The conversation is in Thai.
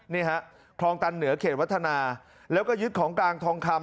นี่ฮะคลองตันเหนือเขตวัฒนาแล้วก็ยึดของกลางทองคำ